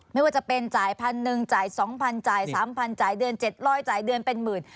ไม่ว่าจะเป็นจ่ายพันหนึ่งจ่ายสองพันจ่ายสามพันจ่ายเดือนเจ็ดร้อยจ่ายเดือนเป็นหมื่น